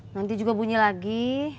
nanti juga bunyi lagi